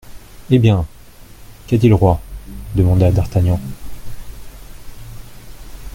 Eh bien ! qu'a dit le roi ? demanda d'Artagnan.